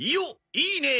いいねえ